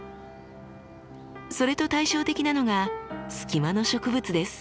それと対照的なのがスキマの植物です。